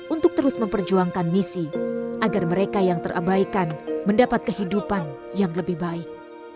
untuk terus memperjuangkan misi agar mereka yang terabaikan mendapat kehidupan yang lebih baik